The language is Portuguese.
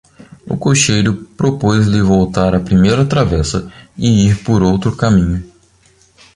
O cocheiro propôs-lhe voltar à primeira travessa, e ir por outro caminho: